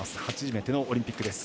初めてのオリンピック。